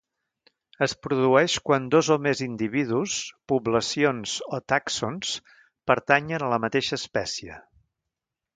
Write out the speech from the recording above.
Es produeix quan dos o més individus, poblacions o tàxons pertanyen a la mateixa espècie.